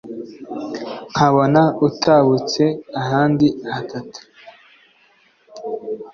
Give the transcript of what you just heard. Nkabona utabutse handi hatatu!